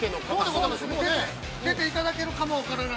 ◆出ていただけるかも分からない。